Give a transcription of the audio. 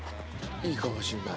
いいかもしんない。